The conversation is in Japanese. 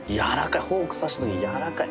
フォーク刺した時にやわらかい。